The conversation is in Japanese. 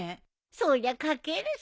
そりゃ描けるさ。